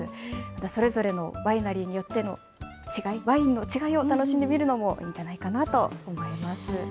それぞれのワイナリーによっての違い、ワインの違いを楽しんでみるのもいいんじゃないかなと思います。